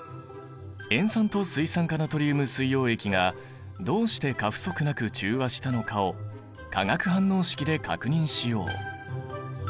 塩酸と水酸化ナトリウム水溶液がどうして過不足なく中和したのかを化学反応式で確認しよう。